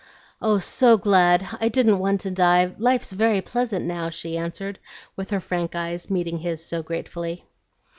"Oh, so glad! I didn't want to die; life's very pleasant now," she answered, with her frank eyes meeting his so gratefully.